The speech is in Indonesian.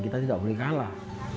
kita tidak boleh kalah